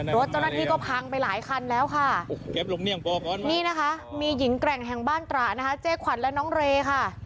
รถเจ้าหน้าที่ก็พังไปหลายคันแล้วค่ะโอ้โหนี่นะคะมีหญิงแกร่งแห่งบ้านตระนะคะเจ๊ขวัญและน้องเรค่ะ